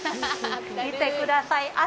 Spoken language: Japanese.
見てください。